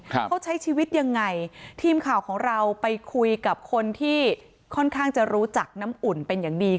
เขาใช้ชีวิตยังไงทีมข่าวของเราไปคุยกับคนที่ค่อนข้างจะรู้จักน้ำอุ่นเป็นอย่างดี